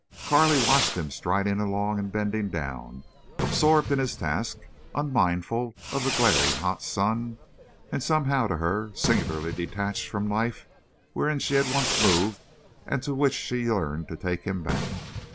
Carley watched him striding along and bending down, absorbed in his task, unmindful of the glaring hot sun, and somehow to her singularly detached from the life wherein he had once moved and to which she yearned to take him back.